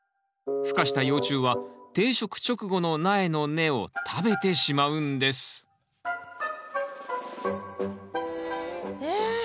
孵化した幼虫は定植直後の苗の根を食べてしまうんですえっ？